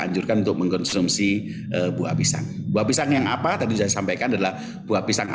anjurkan untuk mengkonsumsi buah pisang buah pisang yang apa tadi saya sampaikan adalah buah pisang